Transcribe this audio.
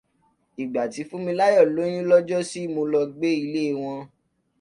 Ìgbà tí Fúnmiláyọ̀ lóyún lọ́jọ́sí, mo lọ gbé ilé wọn.